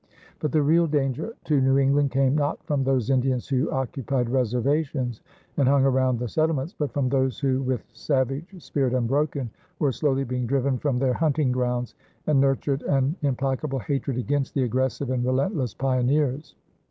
But the real danger to New England came not from those Indians who occupied reservations and hung around the settlements, but from those who, with savage spirit unbroken, were slowly being driven from their hunting grounds and nurtured an implacable hatred against the aggressive and relentless pioneers.